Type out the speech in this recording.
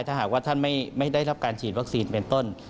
ถ้าหากว่าท่านไม่ได้รับการฉีดวัคซีนเป็นต้น